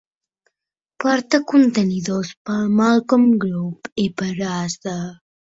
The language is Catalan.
Porta contenidors per al Malcolm Group i per a Asda.